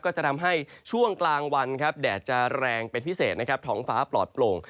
ก็จะทำให้ช่วงกลางวันครับแดดจะแรงเป็นพิเศษนะครับท้องฟ้าปลอดโปร่ง